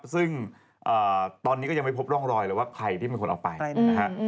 ซึ่งตอนนี้ก็ยังไม่พบร่องรอยเลยว่าใครที่เป็นคนเอาไปนะฮะ